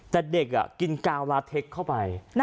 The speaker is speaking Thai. แต่เด็กกินกาวลาเทคเข้าไป